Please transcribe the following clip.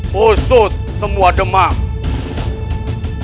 pusut semua demam